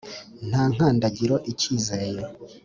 nta nkandagiro ikizeye.